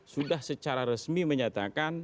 sudah secara resmi menyatakan